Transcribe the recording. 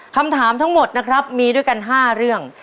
คำถามทั้งหมดนะครับมีด้วยกัน๕เรื่อง